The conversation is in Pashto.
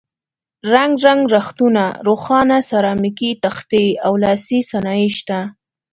رنګ رنګ رختونه، روښانه سرامیکي تختې او لاسي صنایع شته.